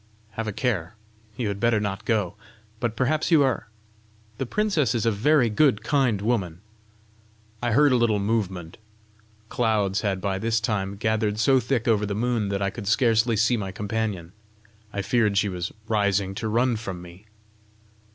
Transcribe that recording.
"Have a care; you had better not go! But perhaps you are ! The princess is a very good, kind woman!" I heard a little movement. Clouds had by this time gathered so thick over the moon that I could scarcely see my companion: I feared she was rising to run from me.